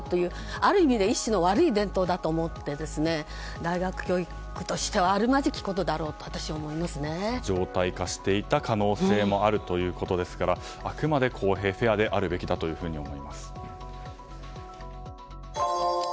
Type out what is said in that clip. ある意味で一種の悪い伝統だと思って大学教育としてはあるまじきことだろうと常態化していた可能性もあるということですからあくまで公平、フェアであるべきだと思います。